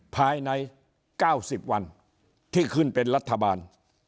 ภายใน๙๐วันที่ขึ้นเป็นรัฐบาล